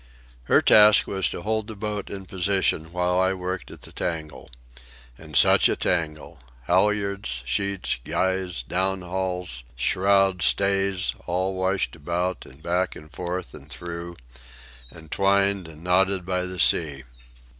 Her task was to hold the boat in position while I worked at the tangle. And such a tangle—halyards, sheets, guys, down hauls, shrouds, stays, all washed about and back and forth and through, and twined and knotted by the sea.